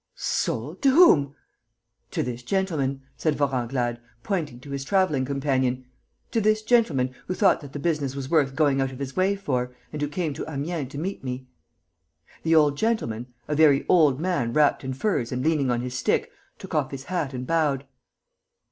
"Sold! To whom?" "To this gentleman," said Vorenglade, pointing to his travelling companion, "to this gentleman, who thought that the business was worth going out of his way for and who came to Amiens to meet me." The old gentleman, a very old man wrapped in furs and leaning on his stick, took off his hat and bowed.